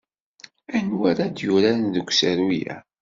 Anwa ara d-yuraren deg usaru-a?